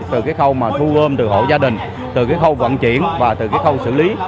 từ cái khâu mà thu gom từ hộ gia đình từ cái khâu vận chuyển và từ cái khâu xử lý